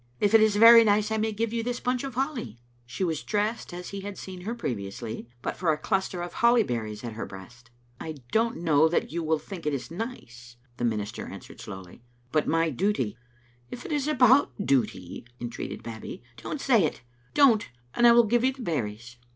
If it is very nice I may give you this bunch of holly." She was dressed as he had seen her previously, but for a cluster of holly berries at her breast. " I don't know that you will think it nice," the minis ter answered, slowly, " but my duty "" If it is about duty," entreated Babbie, " don't say it. Don't, and I will give you the berries."